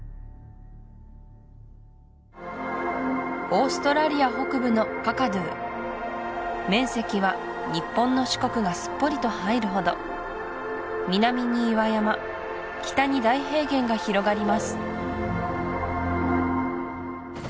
オーストラリア北部のカカドゥ面積は日本の四国がすっぽりと入るほど南に岩山北に大平原が広がります